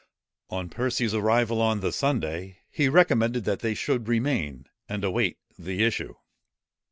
On Percy's arrival on the Sunday, he recommended that they should remain, and await the issue.